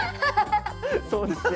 そうですね。